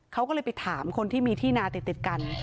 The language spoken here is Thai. เขาก็เลยไปถามคนที่มีที่นาติดกัน